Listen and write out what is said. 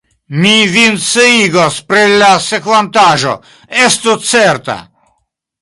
Mi vin sciigos pri la sekvantaĵo, estu certa!